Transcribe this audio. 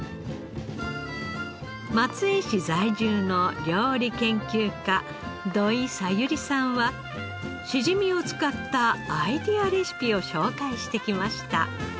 松江市在住の料理研究家土井小百合さんはしじみを使ったアイデアレシピを紹介してきました。